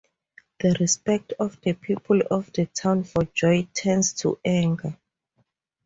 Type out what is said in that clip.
The respect of people of the town for Joy turns to anger.